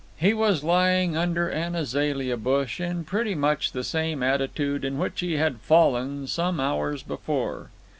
He was lying under an azalea bush, in pretty much the same attitude in which he had fallen some hours before.